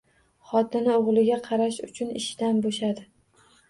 Xotini o`g`liga qarash uchun ishidan bo`shadi